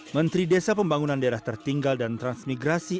menteri desa pembangunan daerah tertinggal dan transmigrasi